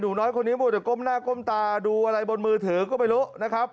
น้อยคนนี้มัวแต่ก้มหน้าก้มตาดูอะไรบนมือถือก็ไม่รู้นะครับ